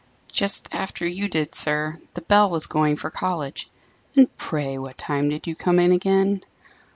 "Just after you did, sir. The bell was going for college." "And pray what time did you come in again?"